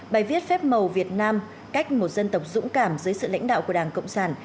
bài viết phép màu việt nam cách một dân tộc dũng cảm dưới sự lãnh đạo của đảng cộng sản